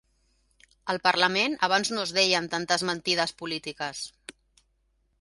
Al Parlament, abans no es deien tantes mentides polítiques.